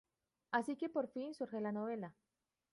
Así que por fin surge la novela.